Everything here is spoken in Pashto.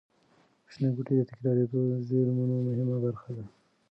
شنه بوټي د تکرارېدونکو زېرمونو مهمه برخه ده.